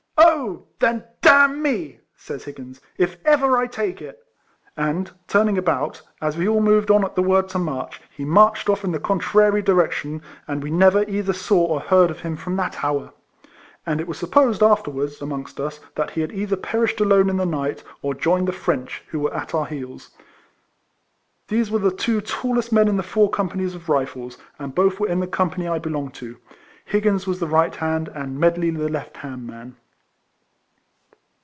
"Oh! then, d — n me," says Higgins, " if ever I take it !" and, turning about, as we all moved on at the word to march, he marched off in the contrary direction, and we never either saw or heard of him from that hour ; and it was supposed afterwards, amongst us, that he had either perished alone in the night, or joined the KIFLEMAN HARRIS. 115 French, who were at our heels. These were the two tallest men in the four companies of Kifles; and both were in the company I belonged to. Higgins was the right hand, and Medley the left hand man.